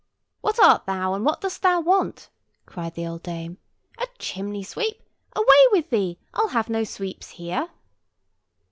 "What art thou, and what dost want?" cried the old dame. "A chimney sweep! Away with thee! I'll have no sweeps here."